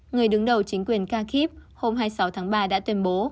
người đứng đầu chính quyền kakip hôm hai mươi sáu tháng ba đã tuyên bố